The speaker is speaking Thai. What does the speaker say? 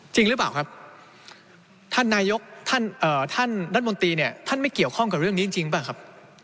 จริงหรือเปล่าครับท่านนายกท่านรัฐมนตรีเนี่ยท่านไม่เกี่ยวข้องกับเรื่องนี้จริงป่ะครับ